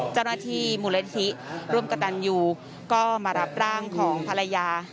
เจ้าหน้าที่มูลนิธิร่วมกระตันยูก็มารับร่างของภรรยา